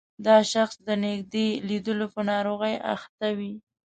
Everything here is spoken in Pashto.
دا شخص د نږدې لیدلو په ناروغۍ اخته وي.